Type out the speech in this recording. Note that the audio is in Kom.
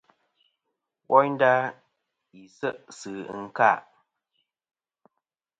Woynda, yi se' sɨ ɨnka.